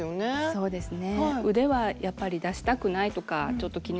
そうですね。